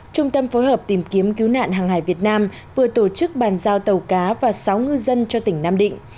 trung tâm phối hợp tìm kiếm cứu nạn hàng hải việt nam vừa tổ chức bàn giao tàu cá và sáu ngư dân cho tỉnh nam định